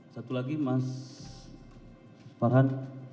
satu lagi mas farhan